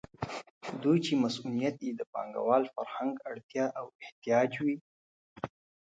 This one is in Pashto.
دوی چې مصونیت یې د پانګوال فرهنګ اړتیا او احتیاج وي.